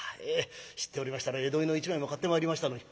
知っておりましたら江戸絵の一枚も買ってまいりましたのに。